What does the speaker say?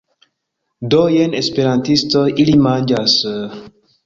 Do, jen esperantistoj... ili manĝas...